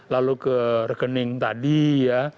lalu ke rekening tadi ya